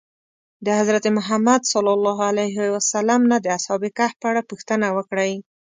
د حضرت محمد نه د اصحاب کهف په اړه پوښتنه وکړئ.